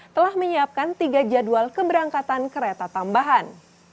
telah menyiapkan tiga jadwal keberangkatan kereta tambahan